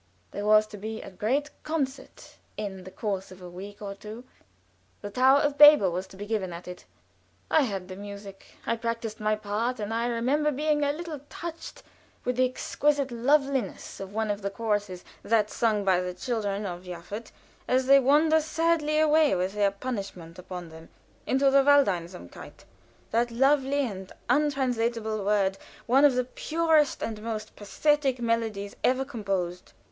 There was to be a great concert in the course of a week or two; the "Tower of Babel" was to be given at it. I had the music. I practiced my part, and I remember being a little touched with the exquisite loveliness of one of the choruses, that sung by the "Children of Japhet" as they wander sadly away with their punishment upon them into the Waldeinsamkeit (that lovely and untranslatable word) one of the purest and most pathetic melodies ever composed.